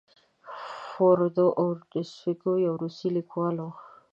فودور اودویفسکي یو روسي لیکوال و.